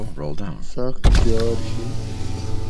سخت جار ہی